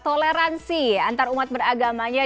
toleransi antar umat beragamanya